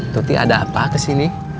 tuti ada apa kesini